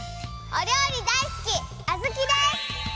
おりょうりだいすきアズキです！